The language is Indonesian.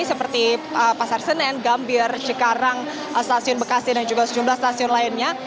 seperti pasar senen gambir cikarang stasiun bekasi dan juga sejumlah stasiun lainnya